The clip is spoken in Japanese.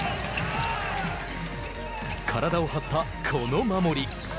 体を張ったこの守り。